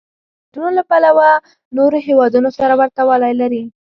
د بنسټونو له پلوه نورو هېوادونو سره ورته والی لري.